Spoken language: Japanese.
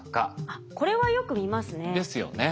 あっこれはよく見ますね。ですよね。